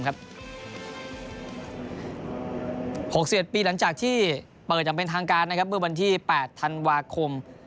หกสิบเช็ดปีหลังจากที่เปิดยังเป็นทางการเมื่อวันที่แพดธันวาคม